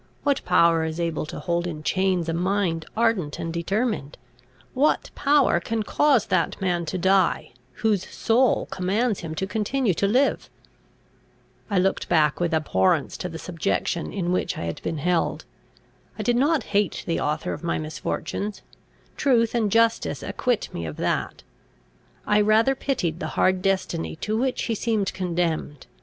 What power is able to hold in chains a mind ardent and determined? What power can cause that man to die, whose whole soul commands him to continue to live?" I looked back with abhorrence to the subjection in which I had been held. I did not hate the author of my misfortunes truth and justice acquit me of that; I rather pitied the hard destiny to which he seemed condemned.